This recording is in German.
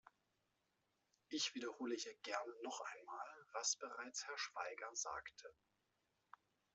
Ich wiederhole hier gern noch einmal, was bereits Herr Schwaiger sagte.